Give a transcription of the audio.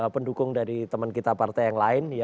pendukung dari teman kita partai yang lain